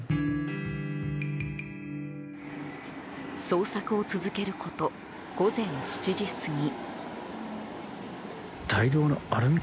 捜索を続けること午前７時過ぎ。